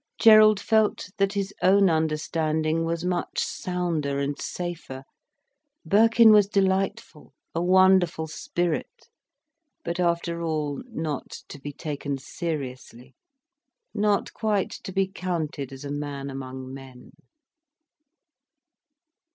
Gerald felt that his own understanding was much sounder and safer. Birkin was delightful, a wonderful spirit, but after all, not to be taken seriously, not quite to be counted as a man among men.